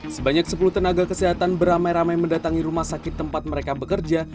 sebanyak sepuluh tenaga kesehatan beramai ramai mendatangi rumah sakit tempat mereka bekerja